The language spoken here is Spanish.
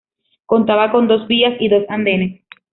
Contaba con dos vías y dos andenes.